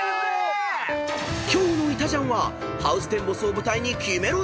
［今日の『いたジャン』はハウステンボスを舞台にキメろ！